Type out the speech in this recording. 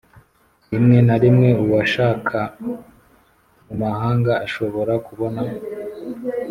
rimwe na rimwe, uwashaka mu mahanga ashobora kubona